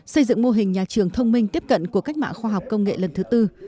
xây dựng mô hình nhà trường thông minh tiếp cận của cách mạng khoa học công nghệ lần thứ tư